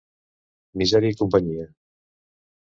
Misèria i companyia.